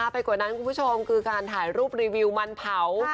ไปกว่านั้นคุณผู้ชมคือการถ่ายรูปรีวิวมันเผา